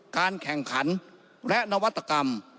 การแข่งขันและนวัตกรรม